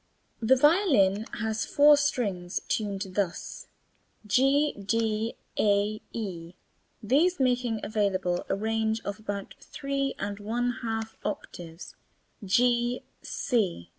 The violin has four strings, tuned thus [Illustration: g d' a' e''], these making available a range of about three and one half octaves (g c'''').